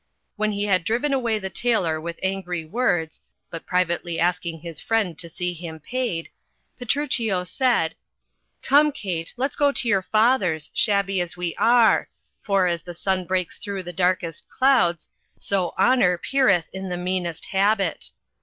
When he had driven away the tailor with angry words — ^but privately asking his friend to see him paid — Petruchio said — "Come, Kate, let's go to your father's, shabby as we are, for, as the sun breaks through the darkest clouds, so honor peereth in 40 THE CHILDREN'S SHAKESPEARE. the meanest habit.